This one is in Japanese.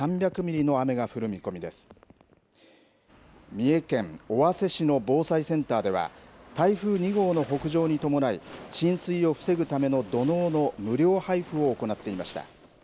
三重県尾鷲市の防災センターでは台風２号の北上に伴い浸水を防ぐための土のうの無料配布を行っていました。